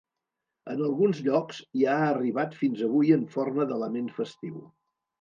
En alguns llocs, hi ha arribat fins avui en forma d’element festiu.